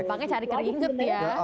gampangnya cari keringat ya